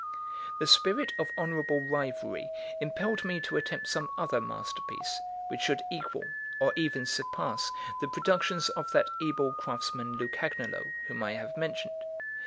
The spirit of honourable rivalry impelled me to attempt some other masterpiece, which should equal, or even surpass, the productions of that able craftsman, Lucagnolo, whom I have mentioned.